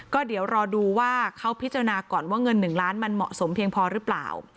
ก็เดี๋ยวรอดูว่าเขาพิจารณาก่อนว่าเงิน๑ล้านมันเหมาะสมเพียงพอหรือเปล่า